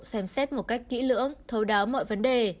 và các cơ quan tổ tụ xem xét một cách kỹ lưỡng thấu đáo mọi vấn đề